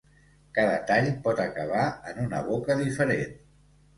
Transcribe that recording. Cada tall pot acabar en una boca diferent.